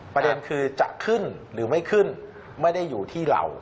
ประเด็นคือจะขึ้นหรือไม่ขึ้นไม่ได้อยู่ที่เรา